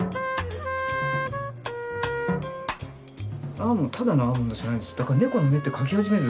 アーモンドただのアーモンドじゃないんです。